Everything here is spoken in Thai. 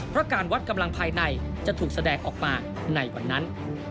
เพราะการวัดกำลังภายในจะถูกแสดงออกมาในวันนั้น